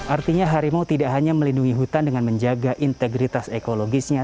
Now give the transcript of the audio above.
artinya harimau tidak hanya melindungi hutan dengan menjaga integritas ekologisnya